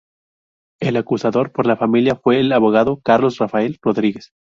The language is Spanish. El acusador por la familia fue el abogado Carlos Rafael Rodríguez.